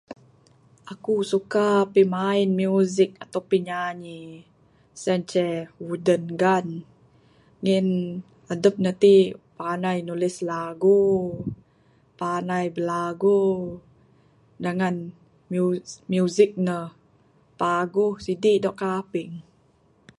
Aku suka pimain Muzik atau pinyanyi sien ceh wooden gun...ngin adep ne ti panai nulis lagu panai bilagu dangan muz...muzik ne paguh sidi dog kaping.